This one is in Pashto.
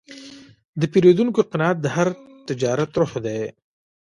د پیرودونکي قناعت د هر تجارت روح دی.